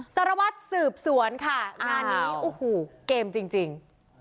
สรวจสืบสวนค่ะอันนี้อู้หูเกมจริงจริง